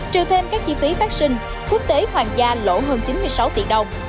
trừ thêm các chi phí phát sinh quốc tế hoàng gia lỗ hơn chín mươi sáu tỷ đồng